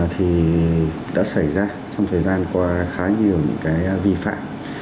thì đã xảy ra trong thời gian qua khá nhiều những cái vi phạm